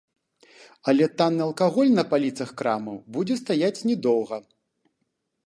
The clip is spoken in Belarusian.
Але танны алкаголь на паліцах крамаў будзе стаяць не доўга.